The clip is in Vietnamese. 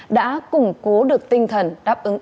đã củng cố được tinh thần đáp ứng